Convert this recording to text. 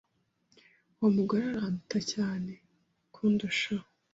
Uwo mugore aranduta cyane kundusha.